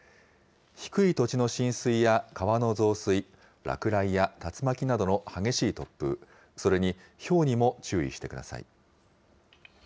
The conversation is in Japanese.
低い土地の浸水や川の増水、落雷や竜巻などの激しい突風、それにひょうにも注意してください。